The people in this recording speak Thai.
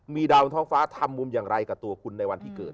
มีดาวบนท้องฟ้าทำมุมอย่างไรกับตัวคุณในวันที่เกิด